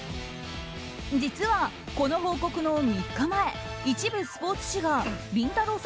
実は、この報告の３日前一部スポーツ紙がりんたろー。